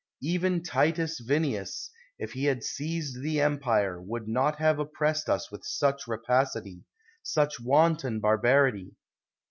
Even Titus Vinius, if he had seized the empire, would not have oppressed us with such rapacity, such wanton barbarity.